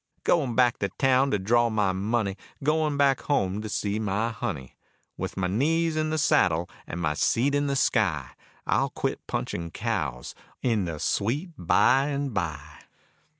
Goin' back to town to draw my money, Goin' back home to see my honey. With my knees in the saddle and my seat in the sky, I'll quit punching cows in the sweet by and by.